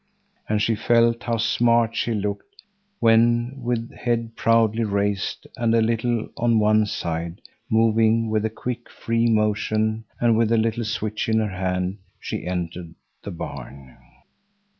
And she felt how smart she looked when, with head proudly raised and a little on one side, moving with a quick, free motion and with a little switch in her hand, she entered the barn.